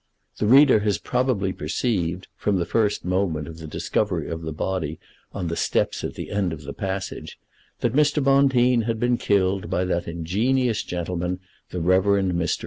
The reader has probably perceived, from the first moment of the discovery of the body on the steps at the end of the passage, that Mr. Bonteen had been killed by that ingenious gentleman, the Rev. Mr.